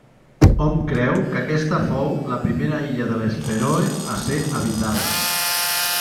Hom creu que aquesta fou la primera illa de les Fèroe a ser habitada.